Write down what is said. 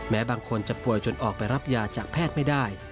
บางคนจะป่วยจนออกไปรับยาจากแพทย์ไม่ได้